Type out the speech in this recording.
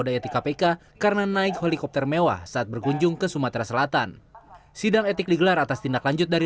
dan kita juga tidak terlalu jauh mengejar